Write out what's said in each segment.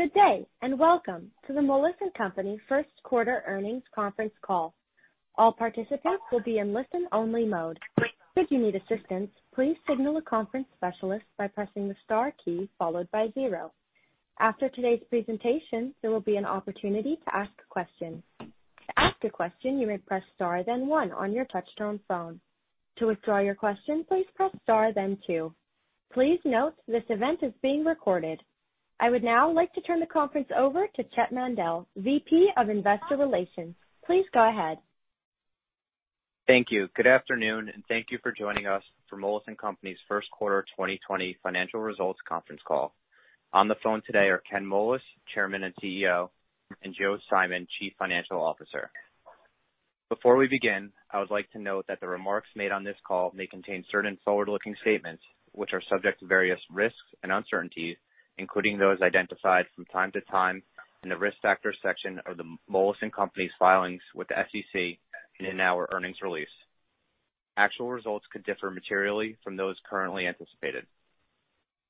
Good day and welcome to the Moelis & Company first quarter earnings conference call. All participants will be in listen-only mode. Should you need assistance, please signal a conference specialist by pressing the star key followed by zero. After today's presentation, there will be an opportunity to ask a question. To ask a question, you may press star then one on your touch-tone phone. To withdraw your question, please press star then two. Please note this event is being recorded. I would now like to turn the conference over to Chett Mandel, VP of Investor Relations. Please go ahead. Thank you. Good afternoon and thank you for joining us for Moelis & Company's First Quarter 2020 Financial Results Conference Call. On the phone today are Ken Moelis, Chairman and CEO, and Joe Simon, Chief Financial Officer. Before we begin, I would like to note that the remarks made on this call may contain certain forward-looking statements which are subject to various risks and uncertainties, including those identified from time to time in the risk factor section of the Moelis & Company's filings with the SEC and in our earnings release. Actual results could differ materially from those currently anticipated.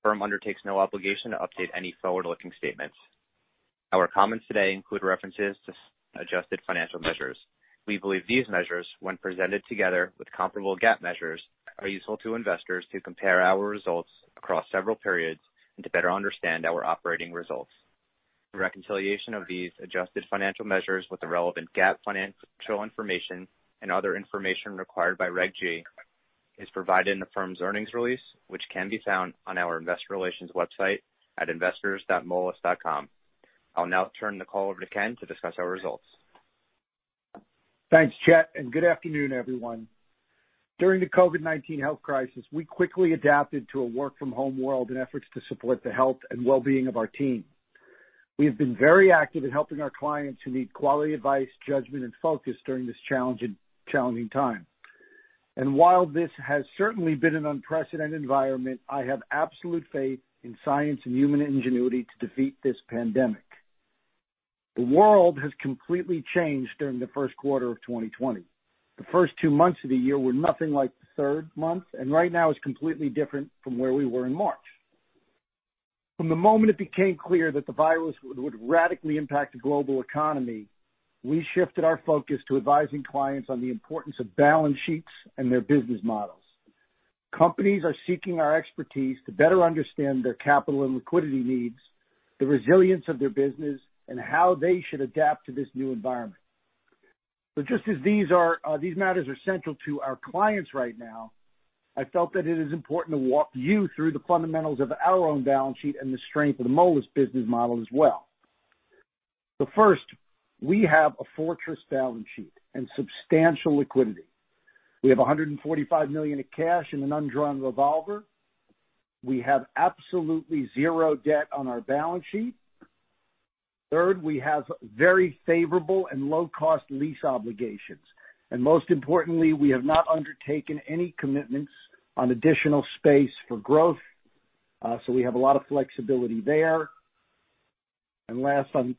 The firm undertakes no obligation to update any forward-looking statements. Our comments today include references to adjusted financial measures. We believe these measures, when presented together with comparable GAAP measures, are useful to investors to compare our results across several periods and to better understand our operating results. The reconciliation of these adjusted financial measures with the relevant GAAP financial information and other information required by Reg G is provided in the firm's earnings release, which can be found on our investor relations website at investors.moelis.com. I'll now turn the call over to Ken to discuss our results. Thanks, Chett, and good afternoon, everyone. During the COVID-19 health crisis, we quickly adapted to a work-from-home world and efforts to support the health and well-being of our team. We have been very active in helping our clients who need quality advice, judgment, and focus during this challenging time, and while this has certainly been an unprecedented environment, I have absolute faith in science and human ingenuity to defeat this pandemic. The world has completely changed during the first quarter of 2020. The first two months of the year were nothing like the third month, and right now it's completely different from where we were in March. From the moment it became clear that the virus would radically impact the global economy, we shifted our focus to advising clients on the importance of balance sheets and their business models. Companies are seeking our expertise to better understand their capital and liquidity needs, the resilience of their business, and how they should adapt to this new environment. But just as these matters are central to our clients right now, I felt that it is important to walk you through the fundamentals of our own balance sheet and the strength of the Moelis business model as well. So first, we have a fortress balance sheet and substantial liquidity. We have $145 million in cash and an undrawn revolver. We have absolutely zero debt on our balance sheet. Third, we have very favorable and low-cost lease obligations. And most importantly, we have not undertaken any commitments on additional space for growth, so we have a lot of flexibility there. And last, on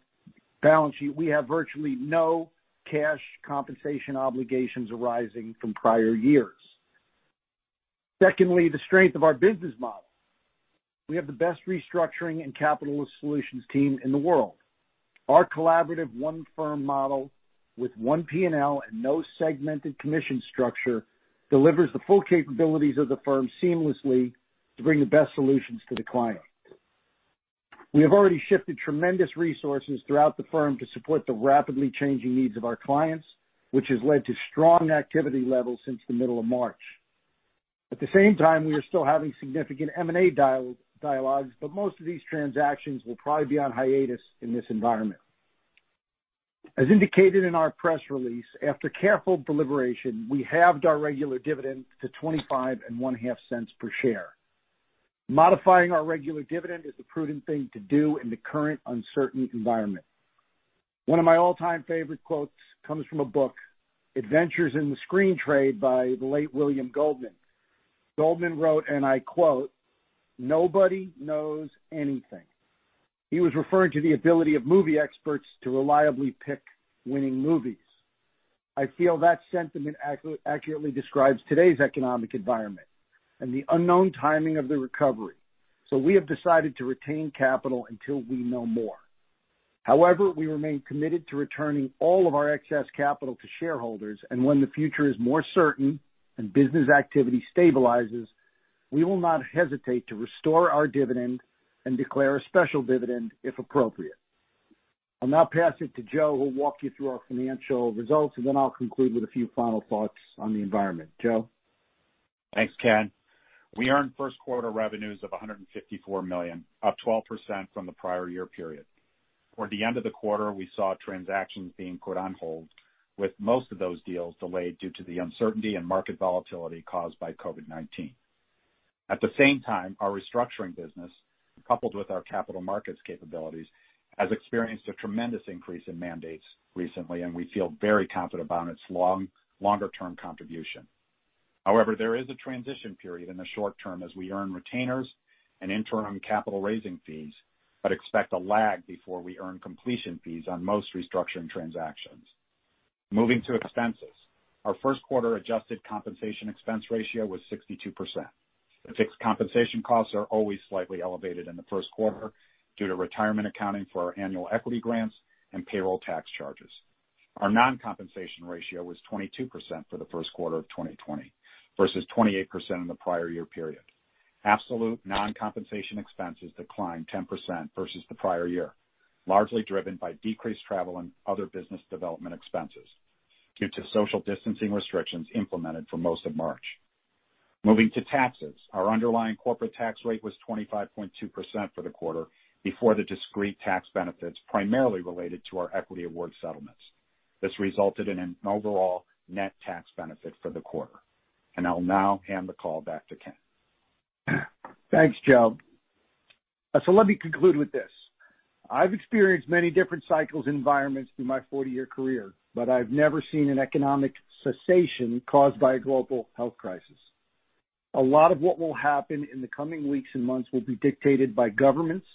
balance sheet, we have virtually no cash compensation obligations arising from prior years. Secondly, the strength of our business model. We have the best restructuring and capital solutions team in the world. Our collaborative one-firm model with one P&L and no segmented commission structure delivers the full capabilities of the firm seamlessly to bring the best solutions to the client. We have already shifted tremendous resources throughout the firm to support the rapidly changing needs of our clients, which has led to strong activity levels since the middle of March. At the same time, we are still having significant M&A dialogues, but most of these transactions will probably be on hiatus in this environment. As indicated in our press release, after careful deliberation, we halved our regular dividend to $0.255 per share. Modifying our regular dividend is the prudent thing to do in the current uncertain environment. One of my all-time favorite quotes comes from a book, Adventures in the Screen Trade by the late William Goldman. Goldman wrote, and I quote, "Nobody knows anything." He was referring to the ability of movie experts to reliably pick winning movies. I feel that sentiment accurately describes today's economic environment and the unknown timing of the recovery. So we have decided to retain capital until we know more. However, we remain committed to returning all of our excess capital to shareholders, and when the future is more certain and business activity stabilizes, we will not hesitate to restore our dividend and declare a special dividend if appropriate. I'll now pass it to Joe, who will walk you through our financial results, and then I'll conclude with a few final thoughts on the environment. Joe? Thanks, Ken. We earned first quarter revenues of $154 million, up 12% from the prior year period. Toward the end of the quarter, we saw transactions being put on hold, with most of those deals delayed due to the uncertainty and market volatility caused by COVID-19. At the same time, our restructuring business, coupled with our capital markets capabilities, has experienced a tremendous increase in mandates recently, and we feel very confident about its longer-term contribution. However, there is a transition period in the short term as we earn retainers and interim capital raising fees, but expect a lag before we earn completion fees on most restructuring transactions. Moving to expenses, our first quarter adjusted compensation expense ratio was 62%. The fixed compensation costs are always slightly elevated in the first quarter due to retirement accounting for our annual equity grants and payroll tax charges. Our non-compensation ratio was 22% for the first quarter of 2020 versus 28% in the prior year period. Absolute non-compensation expenses declined 10% versus the prior year, largely driven by decreased travel and other business development expenses due to social distancing restrictions implemented for most of March. Moving to taxes, our underlying corporate tax rate was 25.2% for the quarter before the discrete tax benefits primarily related to our equity award settlements. This resulted in an overall net tax benefit for the quarter, and I'll now hand the call back to Ken. Thanks, Joe. So let me conclude with this. I've experienced many different cycles and environments through my 40-year career, but I've never seen an economic cessation caused by a global health crisis. A lot of what will happen in the coming weeks and months will be dictated by governments,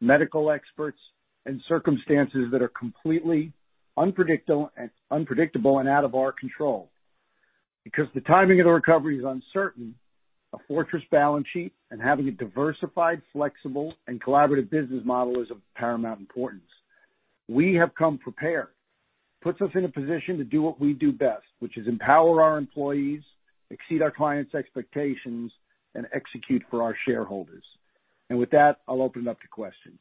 medical experts, and circumstances that are completely unpredictable and out of our control. Because the timing of the recovery is uncertain, a fortress balance sheet and having a diversified, flexible, and collaborative business model is of paramount importance. We have come prepared. It puts us in a position to do what we do best, which is empower our employees, exceed our clients' expectations, and execute for our shareholders. And with that, I'll open it up to questions.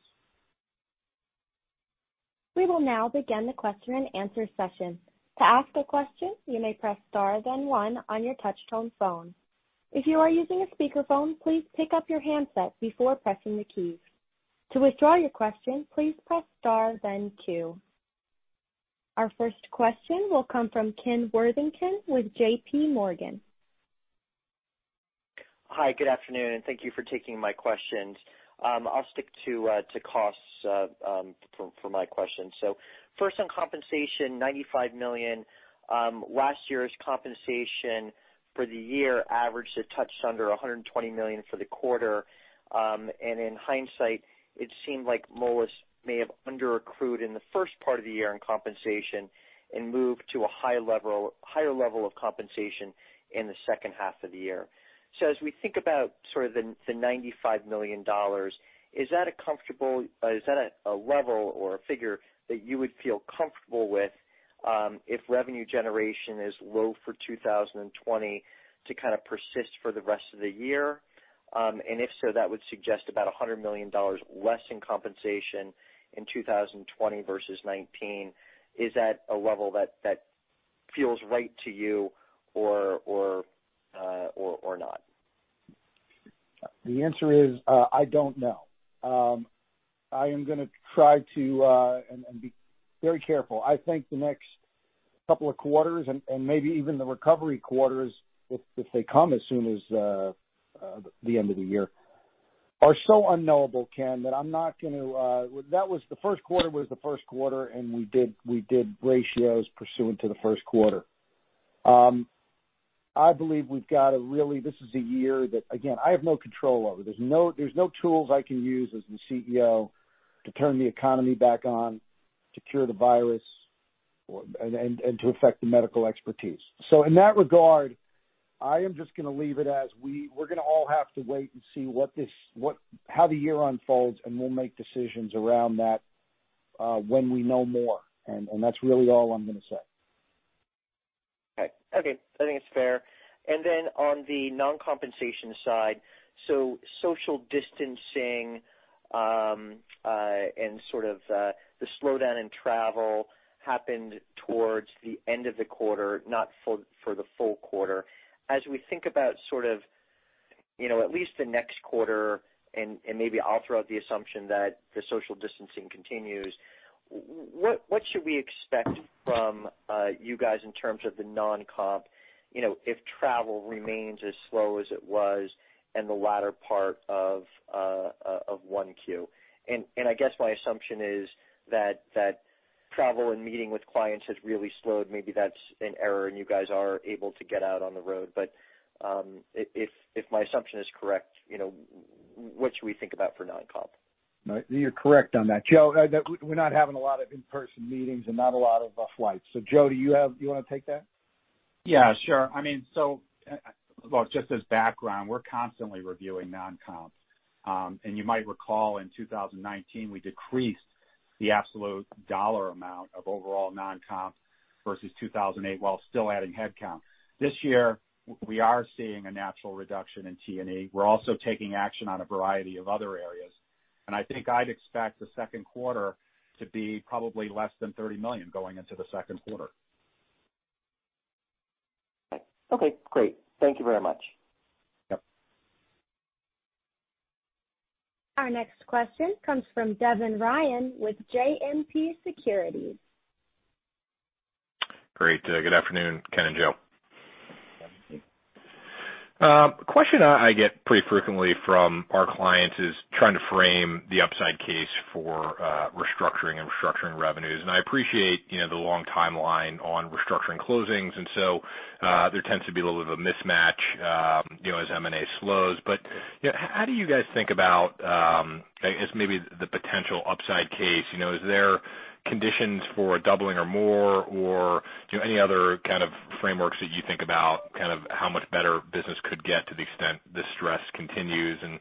We will now begin the question-and-answer session. To ask a question, you may press star then one on your touch-tone phone. If you are using a speakerphone, please pick up your handset before pressing the keys. To withdraw your question, please press star then two. Our first question will come from Ken Worthington with JPMorgan. Hi, good afternoon, and thank you for taking my questions. I'll stick to costs for my questions. So first, on compensation, $95 million. Last year's compensation for the year averaged a touch under $120 million for the quarter. And in hindsight, it seemed like Moelis may have under-recruited in the first part of the year in compensation and moved to a higher level of compensation in the second half of the year. So as we think about sort of the $95 million, is that a comfortable, is that a level or a figure that you would feel comfortable with if revenue generation is low for 2020 to kind of persist for the rest of the year? And if so, that would suggest about $100 million less in compensation in 2020 versus 2019. Is that a level that feels right to you or not? The answer is I don't know. I am going to try to be very careful. I think the next couple of quarters and maybe even the recovery quarters, if they come as soon as the end of the year, are so unknowable, Ken, that I'm not going to - that was the first quarter was the first quarter, and we did ratios pursuant to the first quarter. I believe we've got a really - this is a year that, again, I have no control over. There's no tools I can use as the CEO to turn the economy back on, to cure the virus, and to affect the medical expertise. so in that regard, I am just going to leave it as we're going to all have to wait and see how the year unfolds, and we'll make decisions around that when we know more, and that's really all I'm going to say. Okay. Okay. I think it's fair, and then on the non-compensation side, so social distancing and sort of the slowdown in travel happened towards the end of the quarter, not for the full quarter. As we think about sort of at least the next quarter, and maybe I'll throw out the assumption that the social distancing continues, what should we expect from you guys in terms of the non-comp if travel remains as slow as it was and the latter part of 1Q? And I guess my assumption is that travel and meeting with clients has really slowed. Maybe that's an error, and you guys are able to get out on the road, but if my assumption is correct, what should we think about for non-comp? You're correct on that. Joe, we're not having a lot of in-person meetings and not a lot of flights. So Joe, do you want to take that? Yeah, sure. I mean, so just as background, we're constantly reviewing non-comps. And you might recall in 2019, we decreased the absolute dollar amount of overall non-comp versus 2008 while still adding headcount. This year, we are seeing a natural reduction in T&E. We're also taking action on a variety of other areas. And I think I'd expect the second quarter to be probably less than $30 million going into the second quarter. Okay. Okay. Great. Thank you very much. Yep. Our next question comes from Devin Ryan with JMP Securities. Great. Good afternoon, Ken and Joe. Question I get pretty frequently from our clients is trying to frame the upside case for restructuring and restructuring revenues. And I appreciate the long timeline on restructuring closings, and so there tends to be a little bit of a mismatch as M&A slows. But how do you guys think about, I guess, maybe the potential upside case? Is there conditions for doubling or more or any other kind of frameworks that you think about kind of how much better business could get to the extent the stress continues? And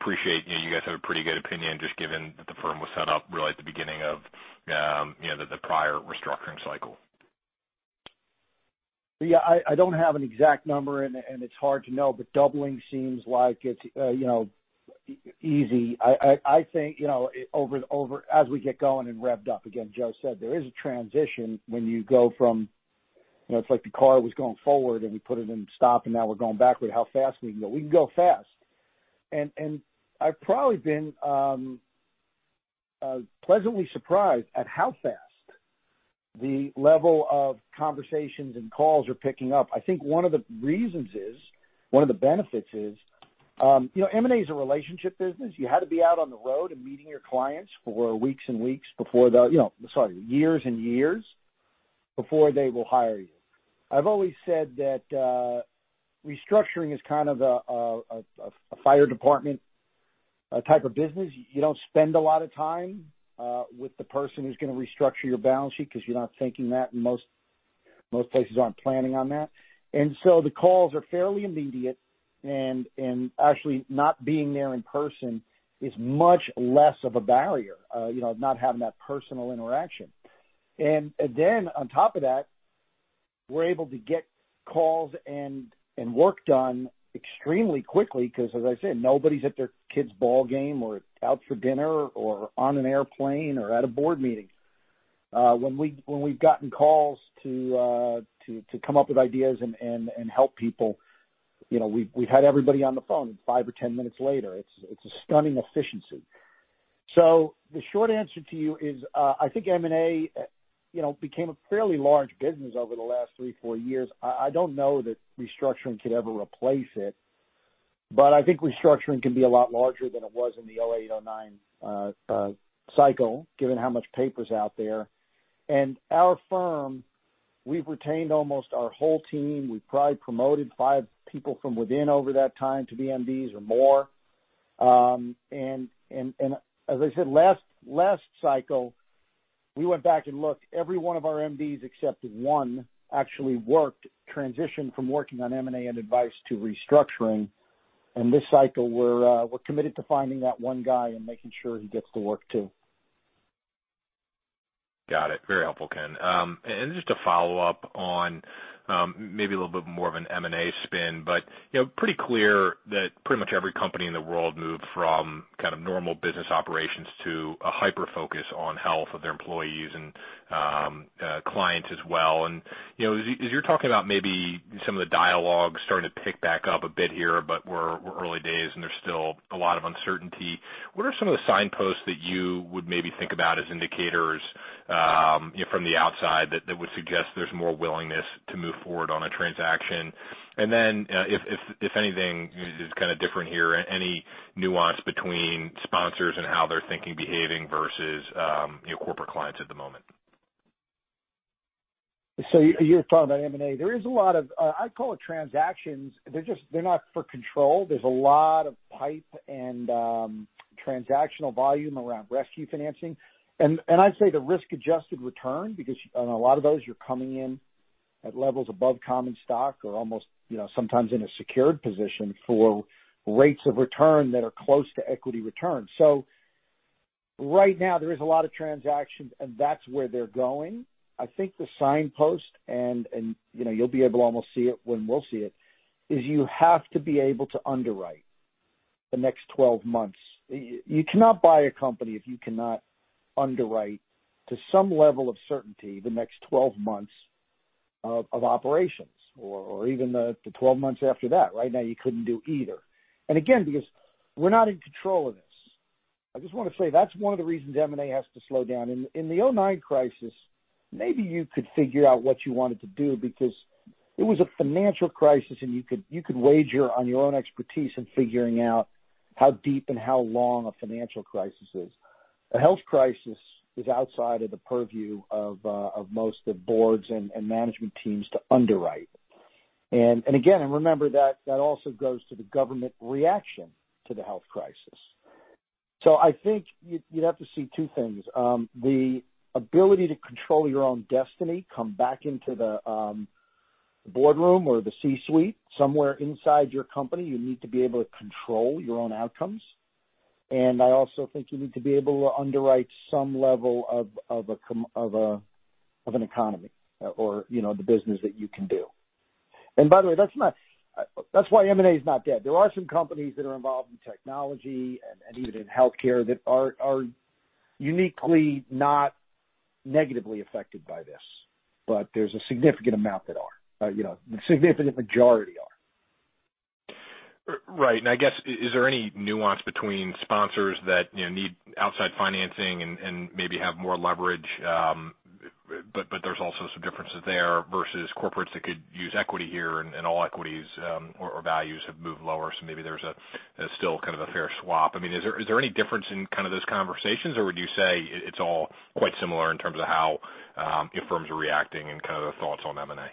appreciate you guys have a pretty good opinion just given that the firm was set up really at the beginning of the prior restructuring cycle. Yeah. I don't have an exact number, and it's hard to know, but doubling seems like it's easy. I think as we get going and revved up, again, Joe said, there is a transition when you go from it's like the car was going forward, and we put it in stop, and now we're going backward. How fast can we go? We can go fast. And I've probably been pleasantly surprised at how fast the level of conversations and calls are picking up. I think one of the reasons is, one of the benefits is M&A is a relationship business. You had to be out on the road and meeting your clients for weeks and weeks before the—sorry, years and years before they will hire you. I've always said that restructuring is kind of a fire department type of business. You don't spend a lot of time with the person who's going to restructure your balance sheet because you're not thinking that, and most places aren't planning on that. And so the calls are fairly immediate, and actually not being there in person is much less of a barrier, not having that personal interaction. And then on top of that, we're able to get calls and work done extremely quickly because, as I said, nobody's at their kid's ball game or out for dinner or on an airplane or at a board meeting. When we've gotten calls to come up with ideas and help people, we've had everybody on the phone five or 10 minutes later. It's a stunning efficiency. So the short answer to you is I think M&A became a fairly large business over the last three, four years. I don't know that restructuring could ever replace it, but I think restructuring can be a lot larger than it was in the 2008, 2009 cycle, given how much paper's out there. And our firm, we've retained almost our whole team. We've probably promoted five people from within over that time to be MDs or more. And as I said, last cycle, we went back and looked. Every one of our MDs, except one, actually worked transition from working on M&A and advice to restructuring. And this cycle, we're committed to finding that one guy and making sure he gets to work too. Got it. Very helpful, Ken. And just to follow up on maybe a little bit more of an M&A spin, but pretty clear that pretty much every company in the world moved from kind of normal business operations to a hyper-focus on health of their employees and clients as well. And as you're talking about maybe some of the dialogue starting to pick back up a bit here, but we're early days, and there's still a lot of uncertainty, what are some of the signposts that you would maybe think about as indicators from the outside that would suggest there's more willingness to move forward on a transaction? And then if anything is kind of different here, any nuance between sponsors and how they're thinking, behaving versus corporate clients at the moment? So you're talking about M&A. There is a lot of, I call it, transactions. They're not for control. There's a lot of PIPE and transactional volume around rescue financing. And I'd say the risk-adjusted return because on a lot of those, you're coming in at levels above common stock or almost sometimes in a secured position for rates of return that are close to equity return. So right now, there is a lot of transactions, and that's where they're going. I think the signpost, and you'll be able to almost see it when we'll see it, is you have to be able to underwrite the next 12 months. You cannot buy a company if you cannot underwrite to some level of certainty the next 12 months of operations or even the 12 months after that. Right now, you couldn't do either. Again, because we're not in control of this, I just want to say that's one of the reasons M&A has to slow down. In the 2009 crisis, maybe you could figure out what you wanted to do because it was a financial crisis, and you could wager on your own expertise in figuring out how deep and how long a financial crisis is. A health crisis is outside of the purview of most of boards and management teams to underwrite. Again, remember that also goes to the government reaction to the health crisis. So I think you'd have to see two things. The ability to control your own destiny, come back into the boardroom or the C-suite somewhere inside your company. You need to be able to control your own outcomes. And I also think you need to be able to underwrite some level of an economy or the business that you can do. And by the way, that's why M&A is not dead. There are some companies that are involved in technology and even in healthcare that are uniquely not negatively affected by this, but there's a significant amount that are. The significant majority are. Right. And I guess, is there any nuance between sponsors that need outside financing and maybe have more leverage, but there's also some differences there versus corporates that could use equity here and all equities or values have moved lower? So maybe there's still kind of a fair swap. I mean, is there any difference in kind of those conversations, or would you say it's all quite similar in terms of how your firms are reacting and kind of their thoughts on M&A?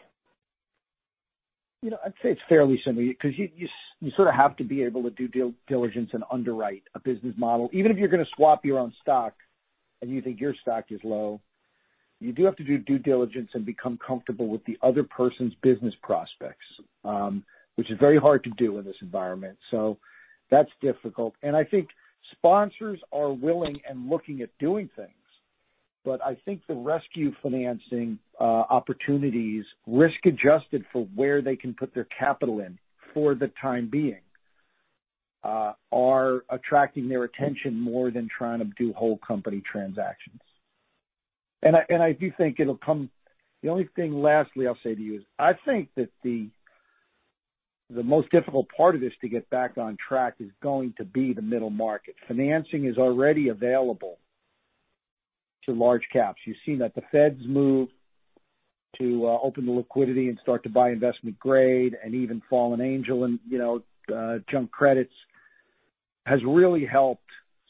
I'd say it's fairly similar because you sort of have to be able to do due diligence and underwrite a business model. Even if you're going to swap your own stock and you think your stock is low, you do have to do due diligence and become comfortable with the other person's business prospects, which is very hard to do in this environment. So that's difficult, and I think sponsors are willing and looking at doing things, but I think the rescue financing opportunities, risk-adjusted for where they can put their capital in for the time being, are attracting their attention more than trying to do whole company transactions, and I do think it'll come. The only thing lastly I'll say to you is I think that the most difficult part of this to get back on track is going to be the middle market. Financing is already available to large caps. You've seen that the Fed's move to open the liquidity and start to buy investment-grade and even fallen angel and junk credits has really helped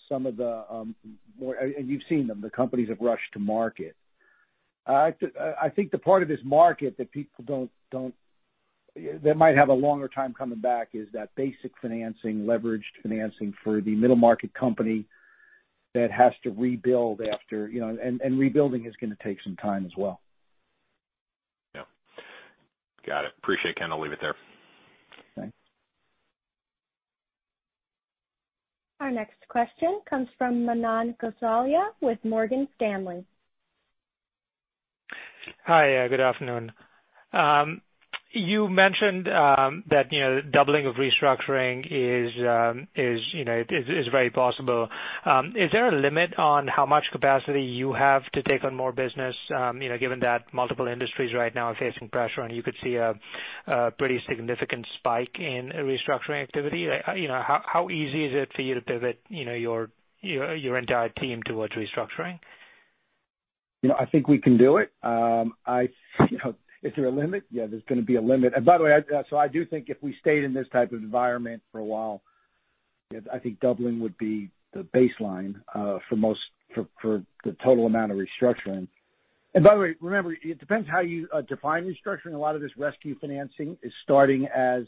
some of them, and you've seen them. The companies have rushed to market. I think the part of this market that people don't, that might have a longer time coming back is that basic financing, leveraged financing for the middle market company that has to rebuild after, and rebuilding is going to take some time as well. Yeah. Got it. Appreciate it, Ken. I'll leave it there. Thanks. Our next question comes from Manan Gosalia with Morgan Stanley. Hi. Good afternoon. You mentioned that doubling of restructuring is very possible. Is there a limit on how much capacity you have to take on more business, given that multiple industries right now are facing pressure and you could see a pretty significant spike in restructuring activity? How easy is it for you to pivot your entire team towards restructuring? I think we can do it. Is there a limit? Yeah, there's going to be a limit. And by the way, so I do think if we stayed in this type of environment for a while, I think doubling would be the baseline for the total amount of restructuring. And by the way, remember, it depends how you define restructuring. A lot of this rescue financing is starting as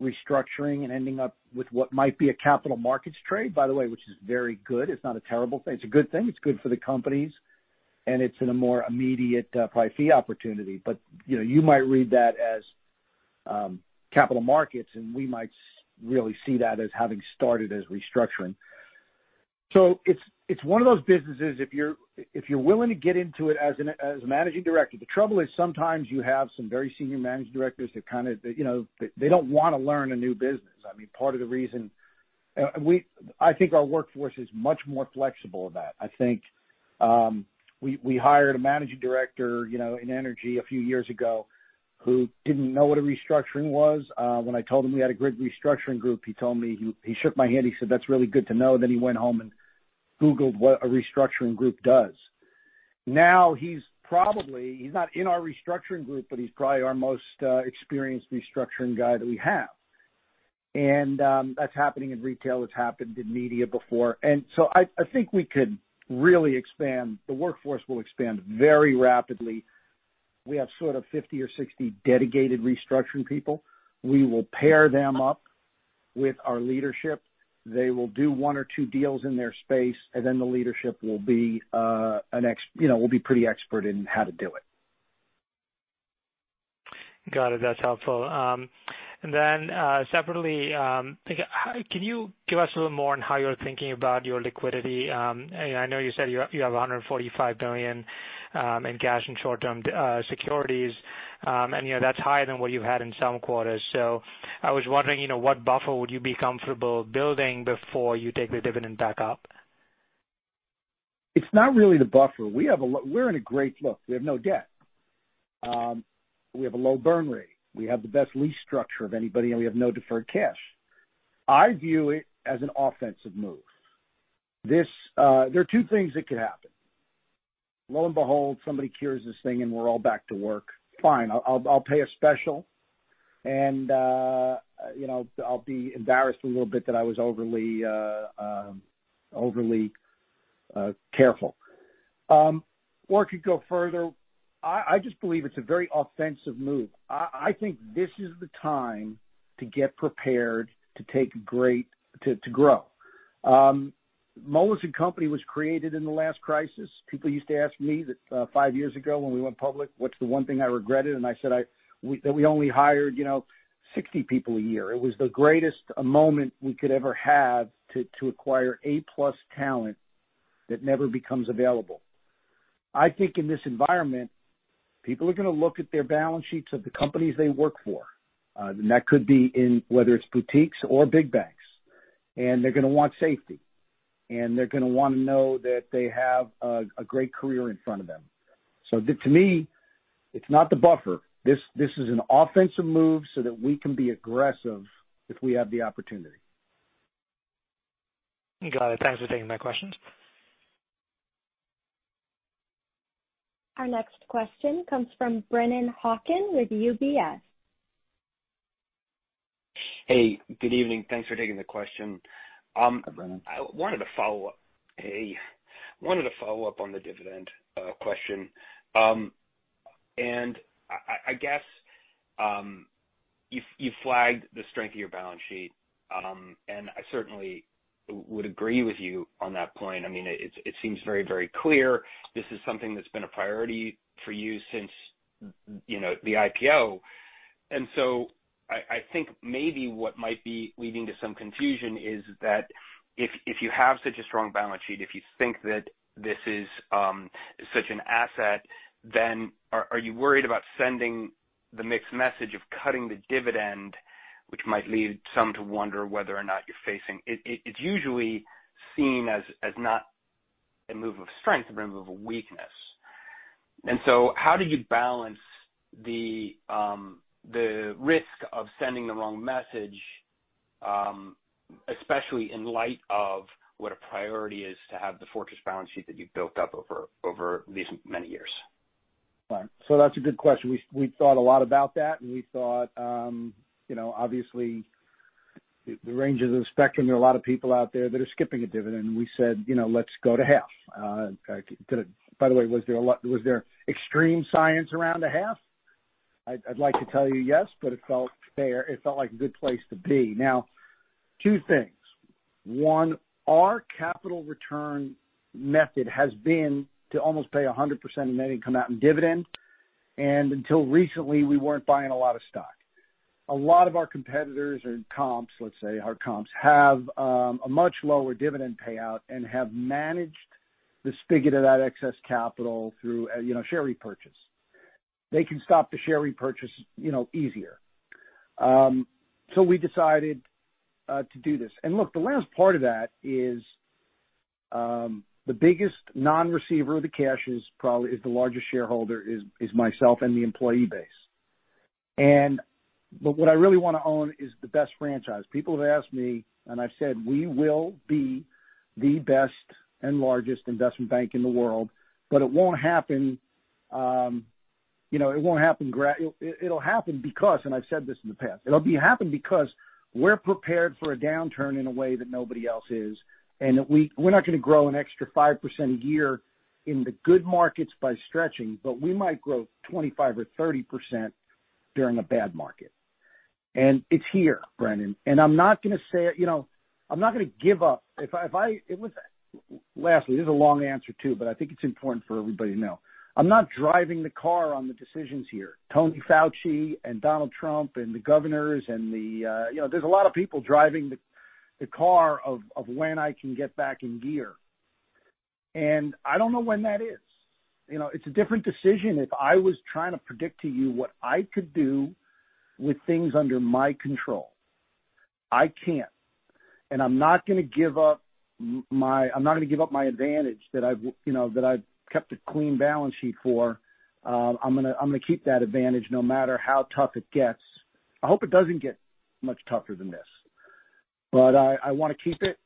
restructuring and ending up with what might be a capital markets trade, by the way, which is very good. It's not a terrible thing. It's a good thing. It's good for the companies, and it's in a more immediate private fee opportunity. But you might read that as capital markets, and we might really see that as having started as restructuring. So it's one of those businesses if you're willing to get into it as a managing director. The trouble is sometimes you have some very senior managing directors that kind of, they don't want to learn a new business. I mean, part of the reason I think our workforce is much more flexible than that. I think we hired a managing director in energy a few years ago who didn't know what a restructuring was. When I told him we had a grid restructuring group, he told me, he shook my hand. He said, "That's really good to know." Then he went home and googled what a restructuring group does. Now he's probably, he's not in our restructuring group, but he's probably our most experienced restructuring guy that we have, and that's happening in retail. It's happened in media before, and so I think we could really expand. The workforce will expand very rapidly. We have sort of 50 or 60 dedicated restructuring people. We will pair them up with our leadership. They will do one or two deals in their space, and then the leadership will be pretty expert in how to do it. Got it. That's helpful. And then separately, can you give us a little more on how you're thinking about your liquidity? I know you said you have $145 million in cash and short-term securities, and that's higher than what you've had in some quarters. So I was wondering what buffer would you be comfortable building before you take the dividend back up? It's not really the buffer. We're in a great look. We have no debt. We have a low burn rate. We have the best lease structure of anybody, and we have no deferred cash. I view it as an offensive move. There are two things that could happen. Lo and behold, somebody cures this thing, and we're all back to work. Fine. I'll pay a special, and I'll be embarrassed a little bit that I was overly careful. Or it could go further. I just believe it's a very offensive move. I think this is the time to get prepared to take great-to grow. Moelis & Company was created in the last crisis. People used to ask me that five years ago when we went public, what's the one thing I regretted? And I said that we only hired 60 people a year. It was the greatest moment we could ever have to acquire A+ talent that never becomes available. I think in this environment, people are going to look at their balance sheets of the companies they work for, and that could be in whether it's boutiques or big banks. And they're going to want safety, and they're going to want to know that they have a great career in front of them. So to me, it's not the buffer. This is an offensive move so that we can be aggressive if we have the opportunity. Got it. Thanks for taking my questions. Our next question comes from Brennan Hawken with UBS. Hey. Good evening. Thanks for taking the question. I wanted to follow up on the dividend question. And I guess you flagged the strength of your balance sheet, and I certainly would agree with you on that point. I mean, it seems very, very clear. This is something that's been a priority for you since the IPO. And so I think maybe what might be leading to some confusion is that if you have such a strong balance sheet, if you think that this is such an asset, then are you worried about sending the mixed message of cutting the dividend, which might lead some to wonder whether or not you're facing. It's usually seen as not a move of strength, a move of weakness. And so how did you balance the risk of sending the wrong message, especially in light of what a priority is to have the fortress balance sheet that you've built up over these many years? Right, so that's a good question. We thought a lot about that, and we thought, obviously, the ranges of the spectrum, there are a lot of people out there that are skipping a dividend, and we said, "Let's go to half." By the way, was there extreme science around a half? I'd like to tell you yes, but it felt fair. It felt like a good place to be. Now, two things. One, our capital return method has been to almost pay 100% of any come out in dividend, and until recently, we weren't buying a lot of stock. A lot of our competitors and comps, let's say, our comps have a much lower dividend payout and have managed the spigot of that excess capital through share repurchase. They can stop the share repurchase easier, so we decided to do this. Look, the last part of that is the biggest non-recipient of the cash is probably the largest shareholder is myself and the employee base. What I really want to own is the best franchise. People have asked me, and I've said, "We will be the best and largest investment bank in the world, but it won't happen. It won't happen, it'll happen because," and I've said this in the past, "it'll happen because we're prepared for a downturn in a way that nobody else is. We're not going to grow an extra 5% a year in the good markets by stretching, but we might grow 25% or 30% during a bad market." It's here, Brennan. I'm not going to say I'm not going to give up. Lastly, this is a long answer too, but I think it's important for everybody to know. I'm not driving the car on the decisions here. Tony Fauci and Donald Trump and the governors and. There's a lot of people driving the car of when I can get back in gear. And I don't know when that is. It's a different decision if I was trying to predict to you what I could do with things under my control. I can't. And I'm not going to give up my advantage that I've kept a clean balance sheet for. I'm going to keep that advantage no matter how tough it gets. I hope it doesn't get much tougher than this. But I want to keep it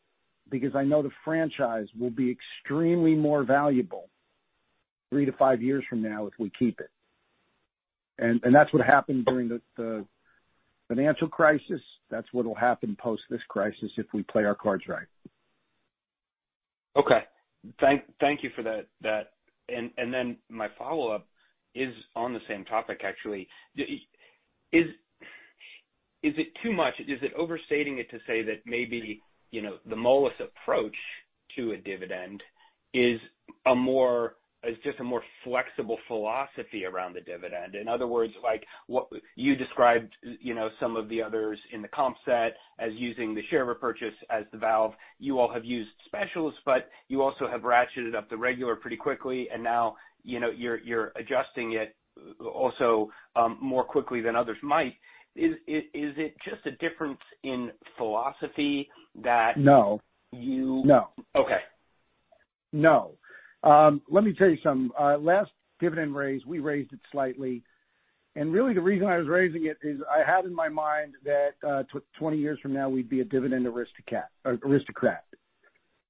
because I know the franchise will be extremely more valuable three to five years from now if we keep it. And that's what happened during the financial crisis. That's what will happen post this crisis if we play our cards right. Okay. Thank you for that. And then my follow-up is on the same topic, actually. Is it too much? Is it overstating it to say that maybe the Moelis approach to a dividend is just a more flexible philosophy around the dividend? In other words, you described some of the others in the comp set as using the share repurchase as the valve. You all have used specials, but you also have ratcheted up the regular pretty quickly, and now you're adjusting it also more quickly than others might. Is it just a difference in philosophy that you? No. No. No. Let me tell you something. Last dividend raise, we raised it slightly. And really, the reason I was raising it is I had in my mind that 20 years from now, we'd be a dividend aristocrat.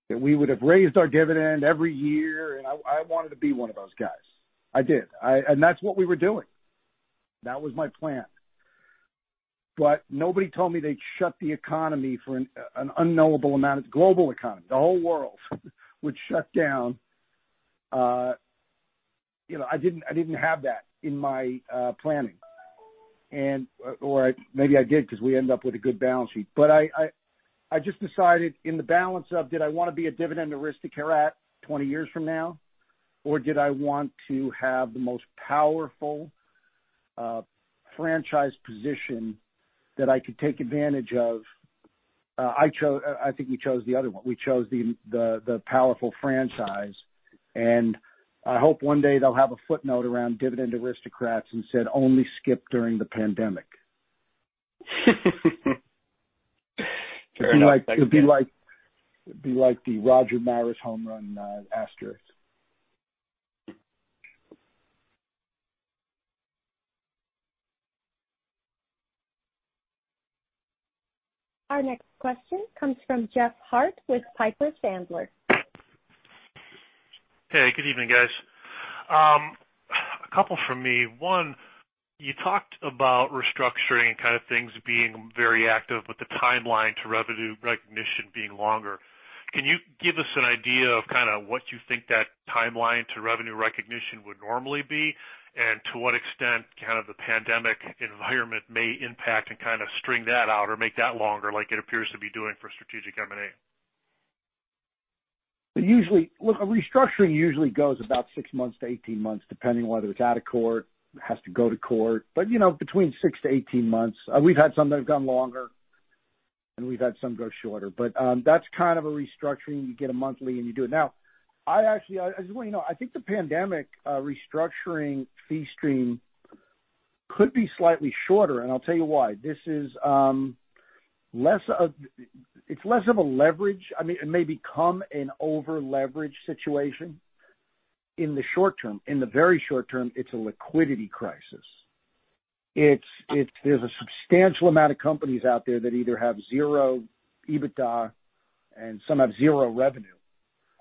That we would have raised our dividend every year, and I wanted to be one of those guys. I did. And that's what we were doing. That was my plan. But nobody told me they'd shut the economy for an unknowable amount of the global economy. The whole world would shut down. I didn't have that in my planning. Or maybe I did because we ended up with a good balance sheet. But I just decided in the balance of, did I want to be a dividend aristocrat 20 years from now, or did I want to have the most powerful franchise position that I could take advantage of? I think we chose the other one. We chose the powerful franchise. And I hope one day they'll have a footnote around dividend aristocrats and said, "Only skipped during the pandemic." It would be like the Roger Maris home run asterisk. Our next question comes from Jeff Harte with Piper Sandler. Hey. Good evening, guys. A couple from me. One, you talked about restructuring and kind of things being very active, but the timeline to revenue recognition being longer. Can you give us an idea of kind of what you think that timeline to revenue recognition would normally be and to what extent kind of the pandemic environment may impact and kind of string that out or make that longer like it appears to be doing for strategic M&A? Look, a restructuring usually goes about six months to 18 months, depending on whether it's out of court or has to go to court, but between six to 18 months, we've had some that have gone longer, and we've had some go shorter. But that's kind of a restructuring. You get a monthly, and you do it. Now, I actually just want you to know, I think the pandemic restructuring fee stream could be slightly shorter, and I'll tell you why. It's less of a leverage. I mean, it may become an over-leveraged situation in the short term. In the very short term, it's a liquidity crisis. There's a substantial amount of companies out there that either have zero EBITDA and some have zero revenue,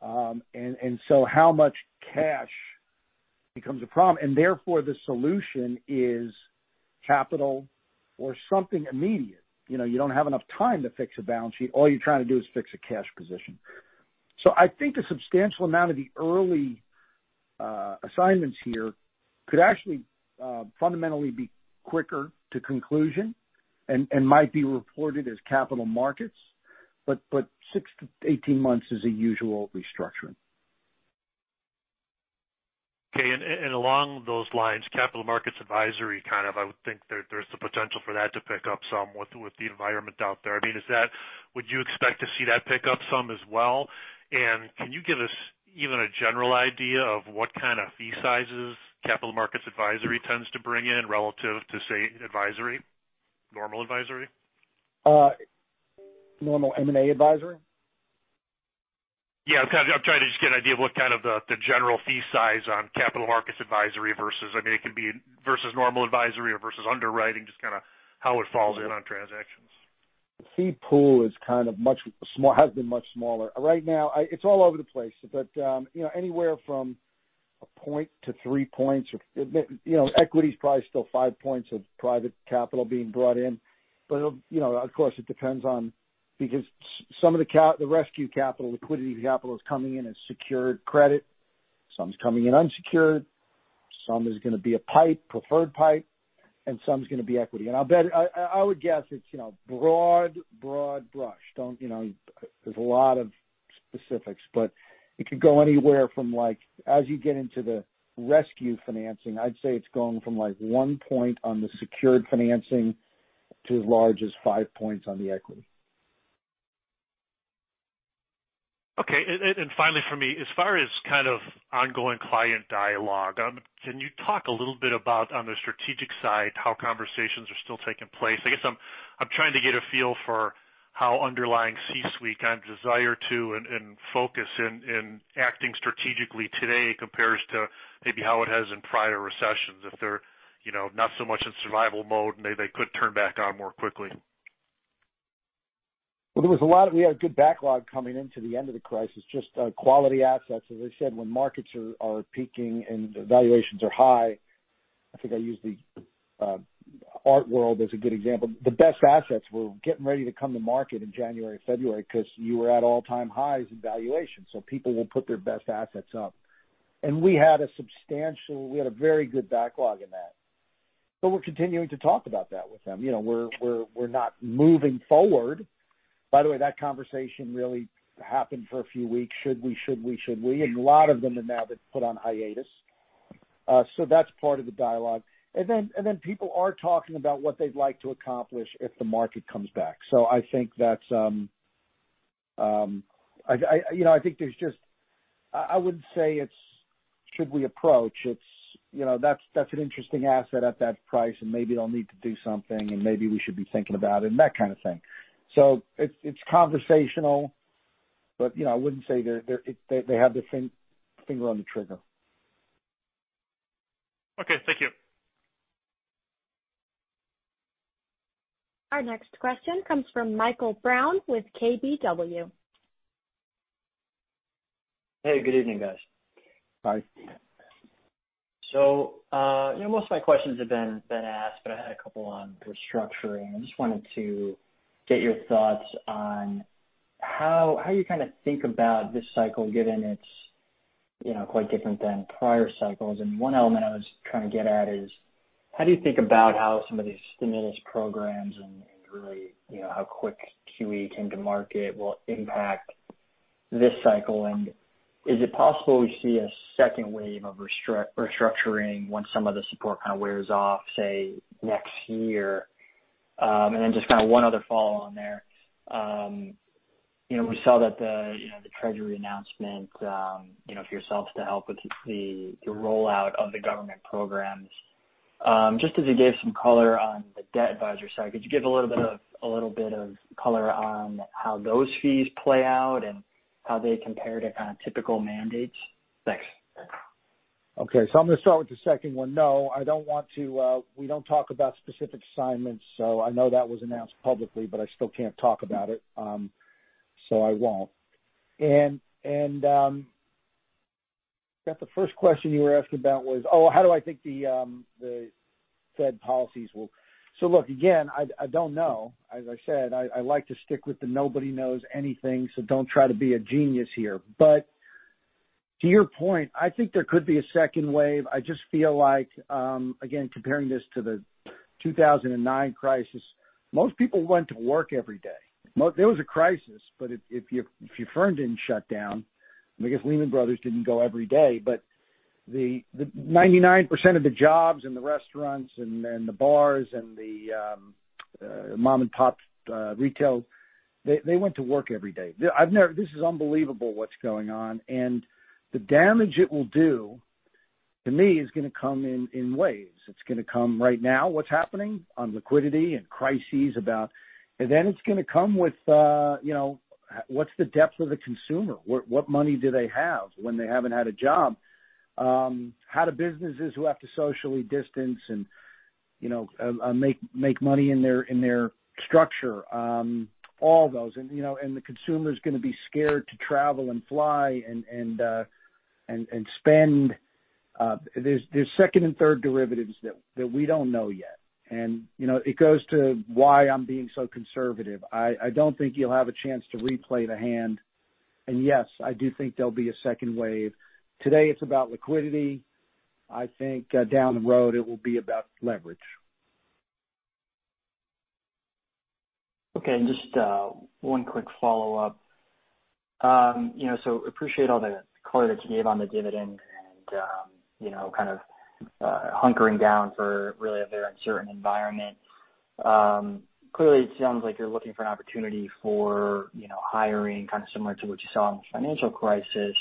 and so how much cash becomes a problem. And therefore, the solution is capital or something immediate. You don't have enough time to fix a balance sheet. All you're trying to do is fix a cash position. So I think a substantial amount of the early assignments here could actually fundamentally be quicker to conclusion and might be reported as capital markets. But 6-18 months is a usual restructuring. Okay. And along those lines, capital markets advisory kind of, I would think there's the potential for that to pick up some with the environment out there. I mean, would you expect to see that pick up some as well? And can you give us even a general idea of what kind of fee sizes capital markets advisory tends to bring in relative to, say, advisory, normal advisory? Normal M&A advisory? Yeah. I'm trying to just get an idea of what kind of the general fee size on capital markets advisory versus, I mean, it can be versus normal advisory or versus underwriting, just kind of how it falls in on transactions. The fee pool is kind of much smaller, has been much smaller. Right now, it's all over the place. But anywhere from a point to three points. Equity is probably still five points of private capital being brought in. But of course, it depends on because some of the rescue capital, liquidity capital is coming in as secured credit. Some is coming in unsecured. Some is going to be a PIPE, preferred PIPE, and some is going to be equity. And I would guess it's broad, broad brush. There's a lot of specifics, but it could go anywhere from as you get into the rescue financing, I'd say it's going from one point on the secured financing to as large as five points on the equity. Okay. Finally for me, as far as kind of ongoing client dialogue, can you talk a little bit about on the strategic side how conversations are still taking place? I guess I'm trying to get a feel for how underlying C-suite kind of desire to and focus in acting strategically today compares to maybe how it has in prior recessions, if they're not so much in survival mode and they could turn back on more quickly. There was a lot. We had a good backlog coming into the end of the crisis, just quality assets, as I said, when markets are peaking and valuations are high. I think I used the art world as a good example. The best assets were getting ready to come to market in January, February because you were at all-time highs in valuation. People will put their best assets up, and we had a substantial very good backlog in that. We're continuing to talk about that with them. We're not moving forward. By the way, that conversation really happened for a few weeks: should we? A lot of them have now been put on hiatus. That's part of the dialogue, and then people are talking about what they'd like to accomplish if the market comes back. So I think there's just, I wouldn't say it's "should we approach." That's an interesting asset at that price, and maybe they'll need to do something, and maybe we should be thinking about it, and that kind of thing, so it's conversational, but I wouldn't say they have their finger on the trigger. Okay. Thank you. Our next question comes from Michael Brown with KBW. Hey. Good evening, guys. Hi. So most of my questions have been asked, but I had a couple on restructuring. I just wanted to get your thoughts on how you kind of think about this cycle, given it's quite different than prior cycles. And one element I was trying to get at is how do you think about how some of these stimulus programs and really how quick QE came to market will impact this cycle? And is it possible we see a second wave of restructuring when some of the support kind of wears off, say, next year? And then just kind of one other follow-on there. We saw that the Treasury announcement for yourselves to help with the rollout of the government programs. Just as you gave some color on the debt advisory side, could you give a little bit of color on how those fees play out and how they compare to kind of typical mandates? Thanks. Okay. So I'm going to start with the second one. No, I don't want to. We don't talk about specific assignments. So I know that was announced publicly, but I still can't talk about it. So I won't, and I guess the first question you were asking about was, oh, how do I think the Fed policies will? So look, again, I don't know. As I said, I like to stick with the nobody knows anything, so don't try to be a genius here, but to your point, I think there could be a second wave. I just feel like, again, comparing this to the 2009 crisis, most people went to work every day. There was a crisis, but if your firm didn't shut down, I guess Lehman Brothers didn't go every day. But 99% of the jobs and the restaurants and the bars and the mom-and-pop retail, they went to work every day. This is unbelievable what's going on. And the damage it will do, to me, is going to come in waves. It's going to come right now, what's happening on liquidity and crises about and then it's going to come with what's the depth of the consumer? What money do they have when they haven't had a job? How do businesses who have to socially distance and make money in their structure? All those. And the consumer is going to be scared to travel and fly and spend. There's second and third derivatives that we don't know yet. And it goes to why I'm being so conservative. I don't think you'll have a chance to replay the hand. And yes, I do think there'll be a second wave. Today, it's about liquidity. I think down the road, it will be about leverage. Okay. Just one quick follow-up. So appreciate all the color that you gave on the dividend and kind of hunkering down for really a very uncertain environment. Clearly, it sounds like you're looking for an opportunity for hiring, kind of similar to what you saw in the financial crisis.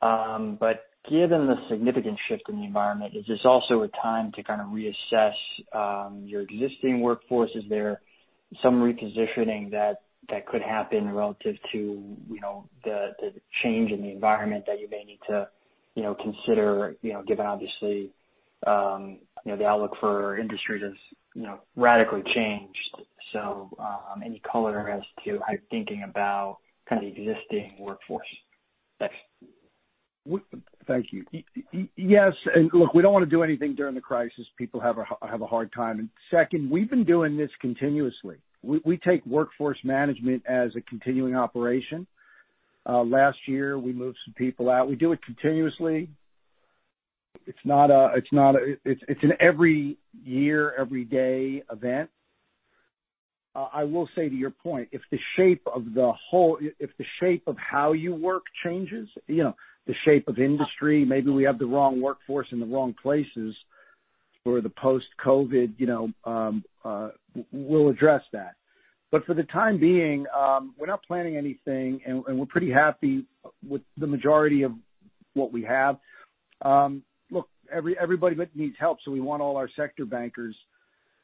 But given the significant shift in the environment, is this also a time to kind of reassess your existing workforce? Is there some repositioning that could happen relative to the change in the environment that you may need to consider, given obviously the outlook for industry has radically changed? So any color as to how you're thinking about kind of the existing workforce? Thanks. Thank you. Yes. And look, we don't want to do anything during the crisis. People have a hard time. And second, we've been doing this continuously. We take workforce management as a continuing operation. Last year, we moved some people out. We do it continuously. It's an every year, every day event. I will say to your point, if the shape of how you work changes, the shape of industry, maybe we have the wrong workforce in the wrong places for the post-COVID, we'll address that. But for the time being, we're not planning anything, and we're pretty happy with the majority of what we have. Look, everybody needs help. So we want all our sector bankers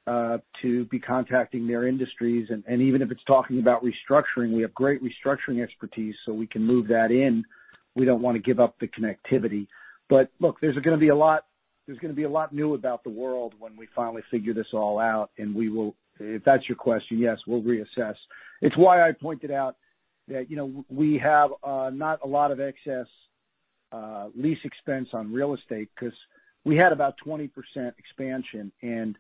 to be contacting their industries. And even if it's talking about restructuring, we have great restructuring expertise, so we can move that in. We don't want to give up the connectivity, but look, there's going to be a lot new about the world when we finally figure this all out, and if that's your question, yes, we'll reassess. It's why I pointed out that we have not a lot of excess lease expense on real estate because we had about 20% expansion, and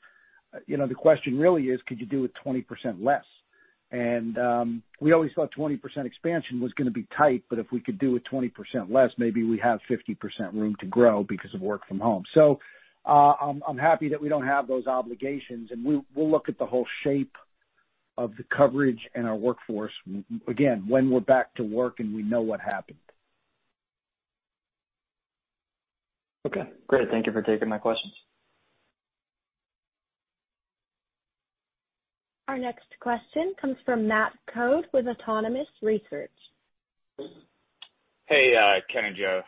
the question really is, could you do it 20% less, and we always thought 20% expansion was going to be tight, but if we could do it 20% less, maybe we have 50% room to grow because of work from home, so I'm happy that we don't have those obligations, and we'll look at the whole shape of the coverage and our workforce again when we're back to work and we know what happened. Okay. Great. Thank you for taking my questions. Our next question comes from Matt Coad with Autonomous Research. Hey, Ken and Joe.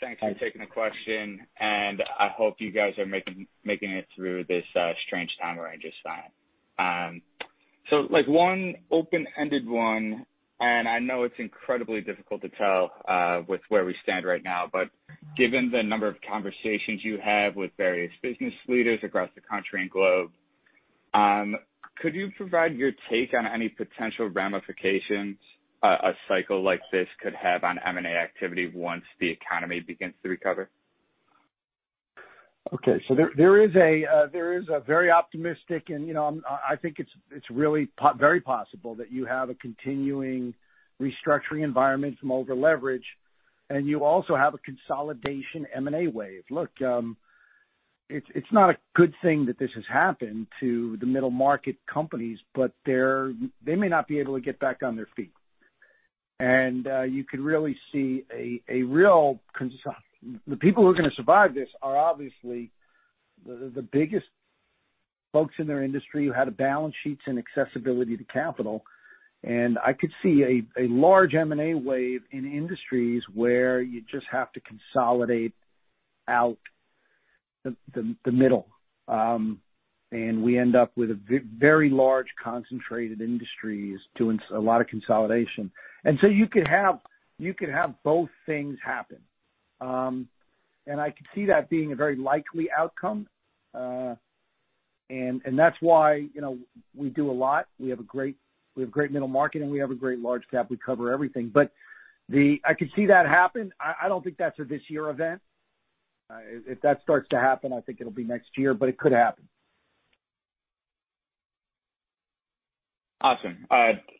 Thanks for taking the question. And I hope you guys are making it through this strange time where I just signed. So one open-ended one, and I know it's incredibly difficult to tell with where we stand right now, but given the number of conversations you have with various business leaders across the country and globe, could you provide your take on any potential ramifications a cycle like this could have on M&A activity once the economy begins to recover? Okay. So there is a very optimistic and I think it's really very possible that you have a continuing restructuring environment from over-leverage, and you also have a consolidation M&A wave. Look, it's not a good thing that this has happened to the middle market companies, but they may not be able to get back on their feet. And you could really see the people who are going to survive this are obviously the biggest folks in their industry who had balance sheets and accessibility to capital. And I could see a large M&A wave in industries where you just have to consolidate out the middle. And we end up with very large concentrated industries doing a lot of consolidation. And so you could have both things happen. And I could see that being a very likely outcome. And that's why we do a lot. We have a great middle market, and we have a great large cap. We cover everything, but I could see that happen. I don't think that's a this-year event. If that starts to happen, I think it'll be next year, but it could happen. Awesome.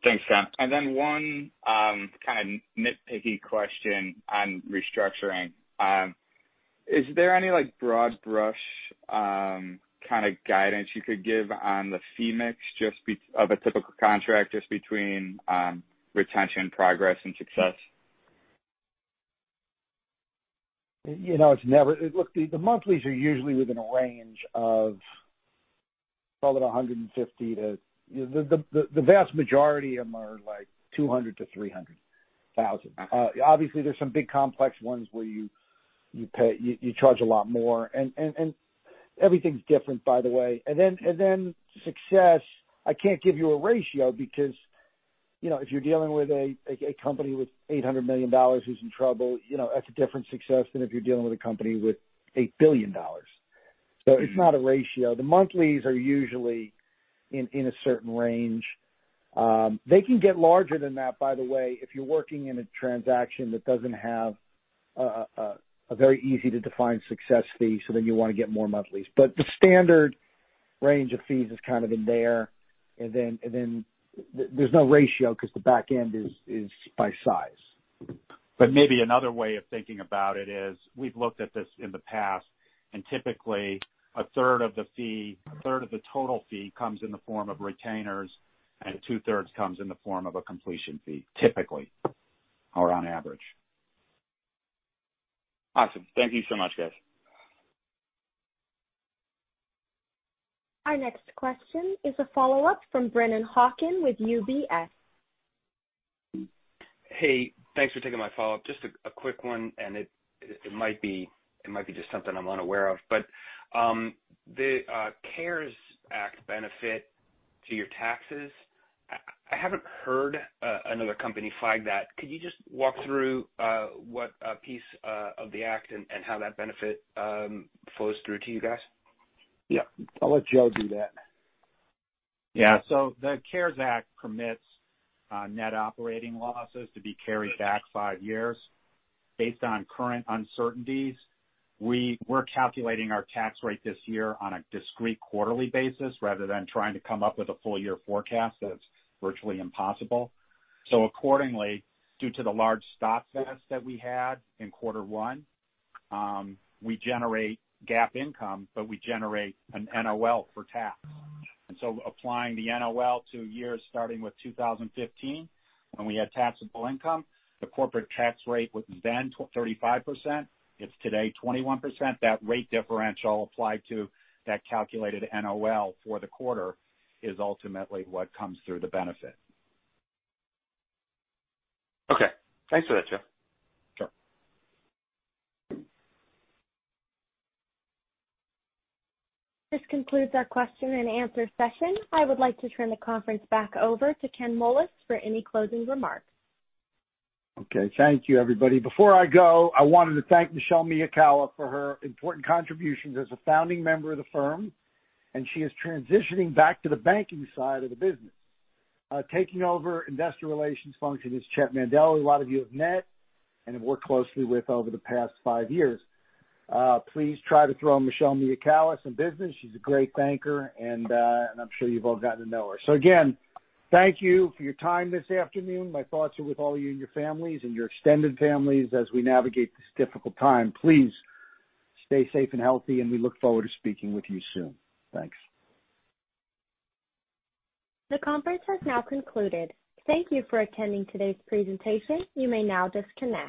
Thanks, Ken. And then one kind of nitpicky question on restructuring. Is there any broad-brush kind of guidance you could give on the fee mix of a typical contract just between retention, progress, and success? Look, the monthlies are usually within a range of probably $150,000 to the vast majority of them are $200,000-$300,000. Obviously, there's some big complex ones where you charge a lot more and everything's different, by the way, and then success. I can't give you a ratio because if you're dealing with a company with $800 million who's in trouble, that's a different success than if you're dealing with a company with $8 billion, so it's not a ratio. The monthlies are usually in a certain range. They can get larger than that, by the way, if you're working in a transaction that doesn't have a very easy-to-define success fee, so then you want to get more monthlies, but the standard range of fees is kind of in there and then there's no ratio because the back end is by size. But maybe another way of thinking about it is we've looked at this in the past, and typically, a third of the fee, a third of the total fee comes in the form of retainers, and two-thirds comes in the form of a completion fee, typically, or on average. Awesome. Thank you so much, guys. Our next question is a follow-up from Brennan Hawken with UBS. Hey. Thanks for taking my follow-up. Just a quick one, and it might be just something I'm unaware of. But the CARES Act benefit to your taxes, I haven't heard another company flag that. Could you just walk through what piece of the act and how that benefit flows through to you guys? Yeah. I'll let Joe do that. Yeah. So the CARES Act permits net operating losses to be carried back five years based on current uncertainties. We're calculating our tax rate this year on a discrete quarterly basis rather than trying to come up with a full-year forecast that's virtually impossible. So accordingly, due to the large stock vest that we had in quarter one, we generate GAAP income, but we generate an NOL for tax. And so applying the NOL to years starting with 2015 when we had taxable income, the corporate tax rate was then 35%. It's today 21%. That rate differential applied to that calculated NOL for the quarter is ultimately what comes through the benefit. Okay. Thanks for that, Joe. This concludes our question and answer session. I would like to turn the conference back over to Ken Moelis for any closing remarks. Okay. Thank you, everybody. Before I go, I wanted to thank Michele Miyakawa for her important contributions as a founding member of the firm, and she is transitioning back to the banking side of the business. Taking over investor relations function is Chett Mandel, who a lot of you have met and have worked closely with over the past five years. Please try to throw Michele Miyakawa some business. She's a great banker, and I'm sure you've all gotten to know her. So again, thank you for your time this afternoon. My thoughts are with all of you and your families and your extended families as we navigate this difficult time. Please stay safe and healthy, and we look forward to speaking with you soon. Thanks. The conference has now concluded. Thank you for attending today's presentation. You may now disconnect.